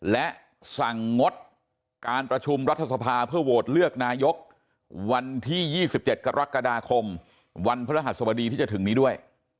และสั่งงดการประชุมรัฐสภาเพื่อโหวตเลือกนายกวันที่๒๗กรกฎาคมวันพระรหัสบดีที่จะถึงนี้ด้วย